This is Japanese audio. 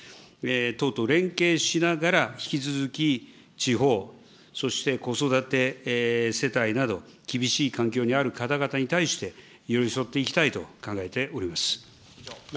党と連携しながら、引き続き地方、そして子育て世帯など、厳しい環境にある方々に対して、寄り添っていきたいと考えております。